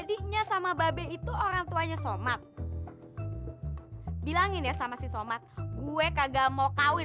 dibakar anda bang juga tahu atau banget rohnya patah hati